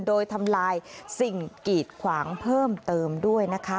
โดยทำลายสิ่งกีดขวางเพิ่มเติมด้วยนะคะ